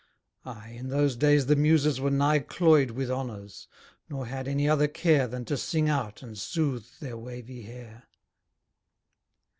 Ay, in those days the Muses were nigh cloy'd With honors; nor had any other care Than to sing out and sooth their wavy hair.